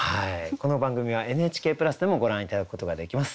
この番組はＮＨＫプラスでもご覧頂くことができます。